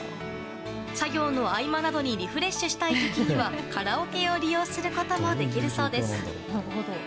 作業の合間などにリフレッシュしたい時にはカラオケを利用することもできるそうです。